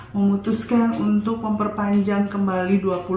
memutuskan untuk memperpanjang kembali